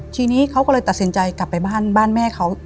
ทีนี้เขาก็เลยตัดสินใจกลับไปบ้านแม่เขา